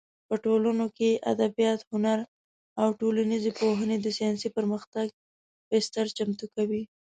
په ټولنو کې ادبیات، هنر او ټولنیزې پوهنې د ساینسي پرمختګ بستر چمتو کوي.